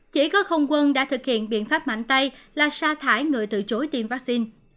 chỉ có không quân đã thực hiện biện pháp mạnh tay là sa thải người từ chối tiêm vaccine